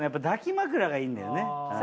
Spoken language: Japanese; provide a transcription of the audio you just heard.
抱き枕がいいんだよね。